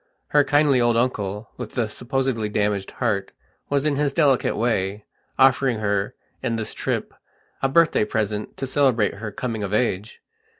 Her kindly old uncle, with the supposedly damaged heart, was in his delicate way, offering her, in this trip, a birthday present to celebrate her coming of age.